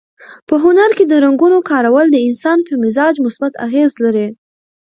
په هنر کې د رنګونو کارول د انسان په مزاج مثبت اغېز لري.